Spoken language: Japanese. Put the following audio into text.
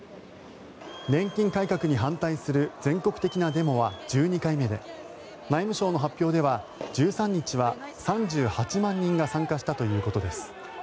年金改革に反対する全国的なデモは１２回目で内務省の発表では１３日には３８万人が参加したということです。